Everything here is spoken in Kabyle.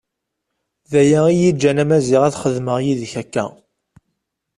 D aya iyi-iǧǧan a Maziɣ ad xedmeɣ yid-k akka.